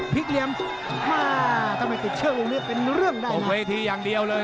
พลิกเหลี่ยมมาทำไมติดเชื้อลงเนี้ยเป็นเรื่องได้ตกเวทีอย่างเดียวเลย